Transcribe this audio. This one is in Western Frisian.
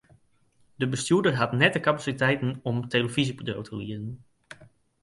De bestjoerder hat net de kapasiteiten om in telefyzjebedriuw te lieden.